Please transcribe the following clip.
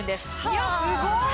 いやすごい。